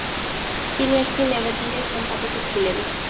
তিনি একটি ম্যাগাজিনের সম্পাদকও ছিলেন।